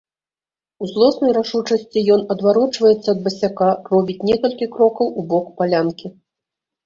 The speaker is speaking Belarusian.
У злоснай рашучасці ён адварочваецца ад басяка, робіць некалькі крокаў у бок палянкі.